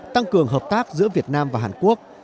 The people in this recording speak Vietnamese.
tăng cường hợp tác giữa việt nam và hàn quốc